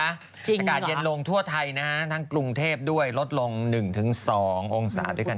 อากาศเย็นลงทั่วไทยนะฮะทั้งกรุงเทพด้วยลดลง๑๒องศาด้วยกัน